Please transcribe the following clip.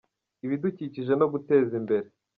ibidukikije no guteza imbere.